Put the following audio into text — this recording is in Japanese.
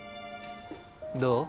どう？